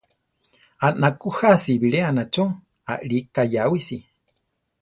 Anakú jási biléana cho alí kayawísi.